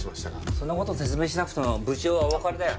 そんな事説明しなくても部長はおわかりだよ。